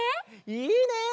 いいね！